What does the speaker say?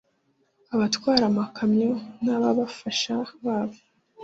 Abatwara amakamyo n’ababafasha babo